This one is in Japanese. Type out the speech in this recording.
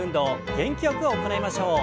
元気よく行いましょう。